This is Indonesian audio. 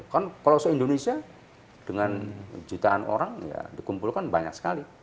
kan kalau se indonesia dengan jutaan orang ya dikumpulkan banyak sekali